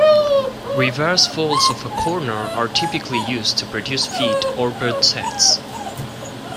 Reverse folds of a corner are typically used to produce feet or birds heads.